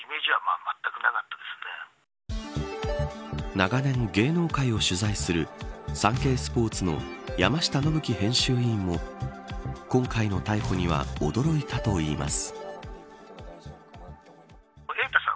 長年芸能界を取材するサンケイスポーツの山下伸基編集員も今回の逮捕には驚いたといいます。